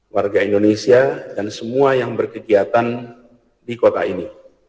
warga indonesia dan semua yang berkegiatan di kota ini